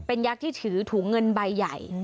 เป็นยักษ์ที่ถือถุงเงินใบใหญ่